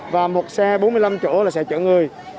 và một xe bốn mươi năm chỗ là xe chở người